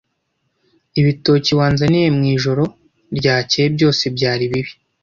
Ibitoki wanzaniye mwijoro ryakeye byose byari bibi.